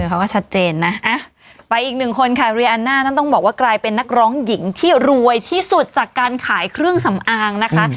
เขาก็ชัดเจนนะไปอีกหนึ่งคนค่ะเรียอันน่านั้นต้องบอกว่ากลายเป็นนักร้องหญิงที่รวยที่สุดจากการขายเครื่องสำอางนะคะ